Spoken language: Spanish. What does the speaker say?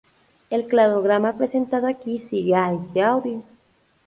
El cladograma presentado aquí sigue a este estudio.